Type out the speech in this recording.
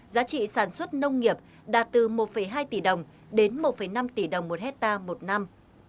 giá trị sản xuất nông nghiệp đạt từ một hai tỷ đồng đến một năm tỷ đồng một hectare một năm